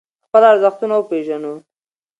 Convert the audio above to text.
خپل ارزښتونه وپیژنو.